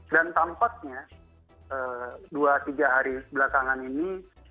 dan tampaknya dua tiga hari belakangan ini